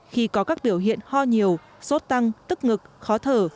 khi có các biểu hiện ho nhiều sốt tăng tức ngực khó thở